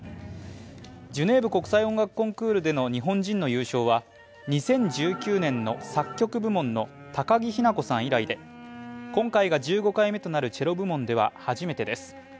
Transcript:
ジュネーブ国際音楽コンクールでの日本人の優勝は、２０１９年の作曲部門の高木日向子さん以来で、今回が１５回目となるチェロ部門では初めてです。